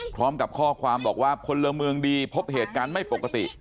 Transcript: พร้อมกับข้อความบอกว่าพลเมืองดีพบเหตุการณ์ไม่ปกติ